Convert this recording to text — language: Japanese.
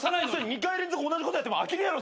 ２回連続同じことやっても飽きるやろ。